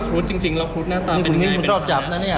คุณต้องไปคุยกับทางเจ้าหน้าที่เขาหน่อย